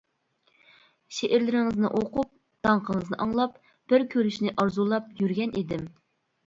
شېئىرلىرىڭىزنى ئوقۇپ، داڭقىڭىزنى ئاڭلاپ، بىر كۆرۈشنى ئارزۇلاپ يۈرگەن ئىدىم.